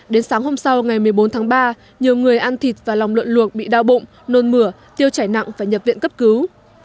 đến sáng hôm sau ngày một mươi bốn tháng ba nhiều người ăn thịt và lòng lợn luộc bị đau bụng nôn mửa tiêu chảy nặng phải nhập viện cấp cứu